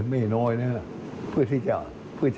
ไม่น้อยนะครับ